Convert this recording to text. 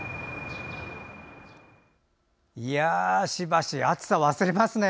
しばし暑さを忘れますね。